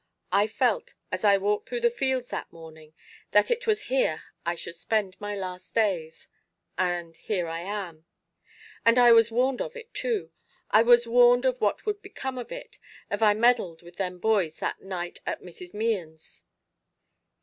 I felt, as I walked through the fields that morning, that it was here I should spend my last days, and here I am. And I was warned of it too; I was warned of what would come of it, av I meddled with them boys that night at Mrs. Mehan's.